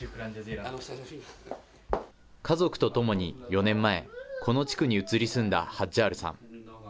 家族とともに４年前、この地区に移り住んだハッジャールさん。